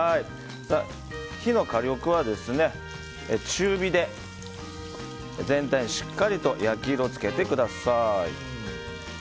火力は中火で、全体にしっかりと焼き色を付けてください。